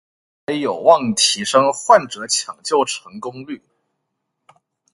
未来有望提升患者抢救成功率